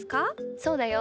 そうだよ。